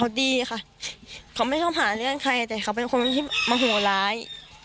เขาดีค่ะเขาไม่เข้าหาเรื่องใครแต่เขาเป็นคนที่โมโหร้าย